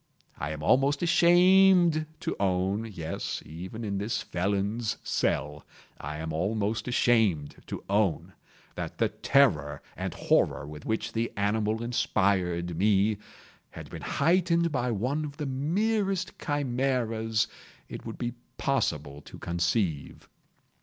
I am almost ashamed to own—yes, even in this felon's cell, I am almost ashamed to own—that the terror and horror with which the animal inspired me, had been heightened by one of the merest chimaeras it would be possible to conceive.